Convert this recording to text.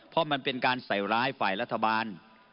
เพราะมันเป็นการใส่ร้ายฝ่ายรัฐบาล